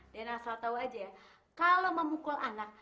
dan asal tau aja ya kalau memukul anak